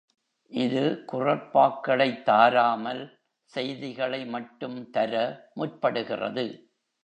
இது குறட்பாக்களைத் தாராமல் செய்திகளை மட்டும் தர முற்படுகிறது.